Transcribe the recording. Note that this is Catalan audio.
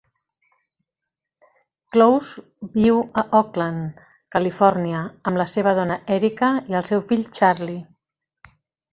Clowes viu a Oakland, Califòrnia, amb la seva dona Erika i el seu fill Charlie.